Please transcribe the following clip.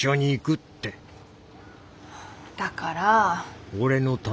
だから。